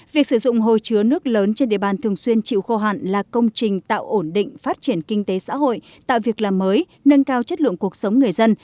việc sử dụng hồ chứa nước lớn trên địa bàn thường xuyên chịu khô hạn là công trình tạo ổn định phát triển kinh tế xã hội tạo việc làm mới nâng cao chất lượng cuộc sống người dân